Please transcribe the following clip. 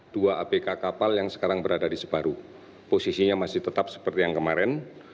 dua abk kapal yang sekarang berada di sebaru posisinya masih tetap seperti yang kemarin